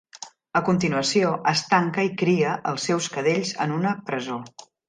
A continuació, es tanca i cria els seus cadells en una "presó".